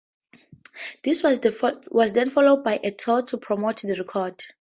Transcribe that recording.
This was then followed by a tour to promote the record.